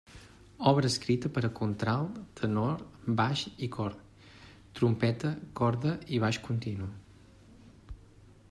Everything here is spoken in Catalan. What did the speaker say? Obra escrita per a contralt, tenor, baix i cor; trompeta, corda i baix continu.